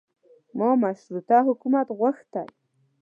ما مشروطه حکومت غوښتی.